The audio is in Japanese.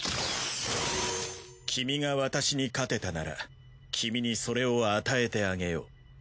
君が私に勝てたなら君にそれを与えてあげよう。